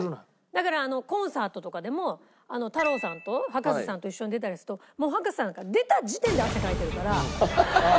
だからコンサートとかでも太郎さんと葉加瀬さんと一緒に出たりするともう葉加瀬さんなんか出た時点で汗かいてるから。